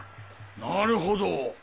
なるほど！